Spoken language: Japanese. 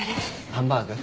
ハンバーグ？